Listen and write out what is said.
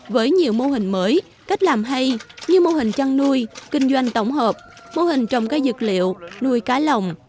với nhiều mô hình mới cách làm hay như mô hình chăn nuôi kinh doanh tổng hợp mô hình trồng cây dược liệu nuôi cá lồng